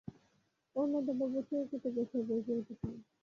অন্নদাবাবু চৌকিতে বসিয়া বই পড়িতেছিলেন।